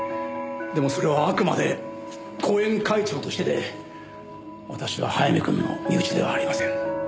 でもそれはあくまで後援会長としてで私は早見君の身内ではありません。